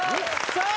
さあ